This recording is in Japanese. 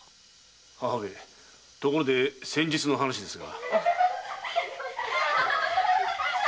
母上ところで先日の話ですが。